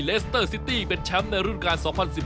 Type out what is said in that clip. เลสเตอร์ซิตี้เป็นแชมป์ในรุ่นการ๒๐๑๘